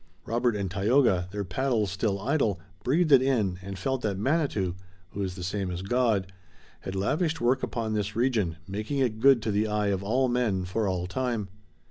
Robert and Tayoga, their paddles still idle, breathed it in and felt that Manitou, who is the same as God, had lavished work upon this region, making it good to the eye of all men for all time.